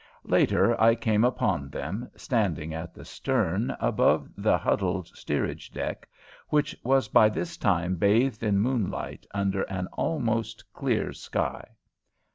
Later I came upon them, standing at the stern above the huddled steerage deck, which was by this time bathed in moonlight, under an almost clear sky.